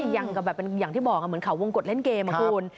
ยังกับแบบอย่างที่บอกเหมือนเขาวงกฎเล่นเกมอะคุณ